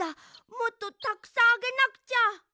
もっとたくさんあげなくちゃ！